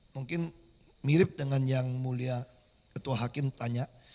mungkin mirip dengan yang mulia ketua hakim tanya